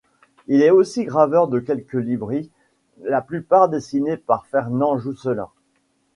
Il est aussi graveur de quelques ex-libris, la plupart dessinés par Fernand Jousselin.